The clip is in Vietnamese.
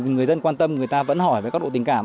người dân quan tâm người ta vẫn hỏi với các độ tình cảm